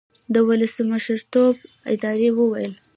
د ولسمشرټرمپ ادارې وویل